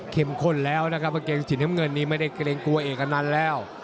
ข้นแล้วนะครับกางเกงสีน้ำเงินนี้ไม่ได้เกรงกลัวเอกอนันต์แล้ว